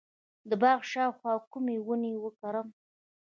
د باغ شاوخوا کومې ونې وکرم؟